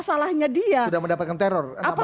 salahnya dia sudah mendapatkan teror